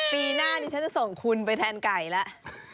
ปีหน้านี้ฉันจะส่งคุณไปแทนไก่แล้ว